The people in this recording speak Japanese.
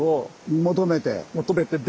求めて。